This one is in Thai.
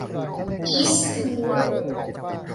อีสต์วูด